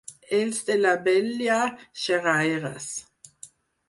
Els de l'Abella, xerraires.